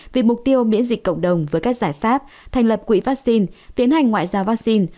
vì mục tiêu miễn dịch cộng đồng với các giải pháp thành lập quỹ vaccine tiến hành ngoại giao vaccine